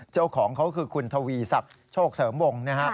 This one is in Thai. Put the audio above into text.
เจ้าของเขาคือคุณไฟซับเศร้าโมง